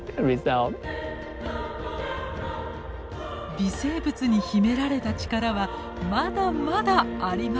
微生物に秘められた力はまだまだあります。